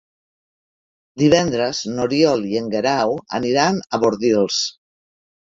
Divendres n'Oriol i en Guerau aniran a Bordils.